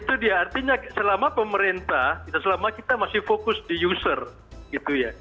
itu dia artinya selama pemerintah kita selama kita masih fokus di user gitu ya